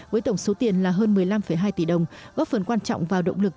với tổng số tiền là hơn một mươi năm hai tỷ đồng góp phần quan trọng vào động lực